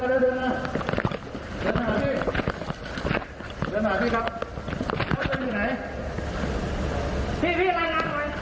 อาหลังเขาจะใช้แล้วมาจริง